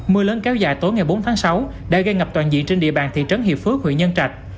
mưa lớn kéo dài tối ngày bốn tháng sáu đã gây ngập toàn diện trên địa bàn thị trấn hiệp phước huyện nhân trạch